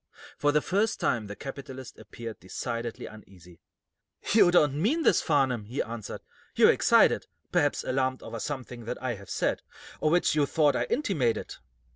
For the first time the capitalist appeared decidedly uneasy. "You don't mean this, Farnum," he answered. "You're excited; perhaps alarmed over something that I have said, or which you thought I intimated."